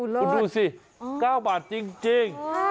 คุณดูสิ๙บาทจริง